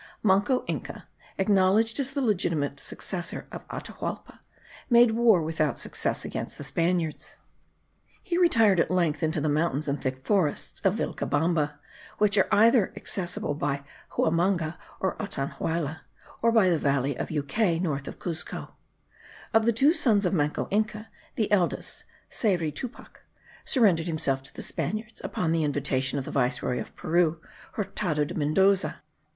Manco Inca, acknowledged as the legitimate successor of Atahualpa, made war without success against the Spaniards. He retired at length into the mountains and thick forests of Vilcabamba, which are accessible either by Huamanga and Antahuaylla, or by the valley of Yucay, north of Cuzco. Of the two Sons of Manco Inca, the eldest, Sayri Tupac, surrendered himself to the Spaniards, upon the invitation of the viceroy of Peru, Hurtado de Mendoza.